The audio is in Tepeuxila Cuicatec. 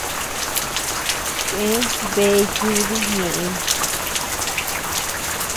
Cheʼe bea yudii ñëʼeñ.